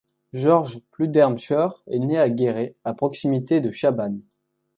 Georges Pludermcher est né à Guéret, à proximité de Chabannes.